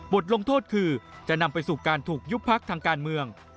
ลงโทษคือจะนำไปสู่การถูกยุบพักทางการเมือง